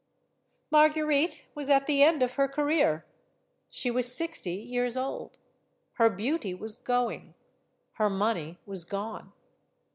Marguerite was at the end of her career. She was sixty years old; her beauty was going; her money was gone.